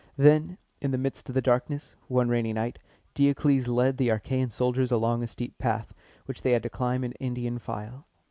Then, in the midst of the darkness, one rainy night, Diocles led the Achæan soldiers along a steep path, which they had to climb in Indian file.